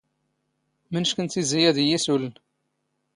ⵎⵏⵛⴽ ⵏ ⵜⵉⵣⵉ ⴰⴷ ⵉⵢⵉ ⵉⵙⵓⵍⵏ?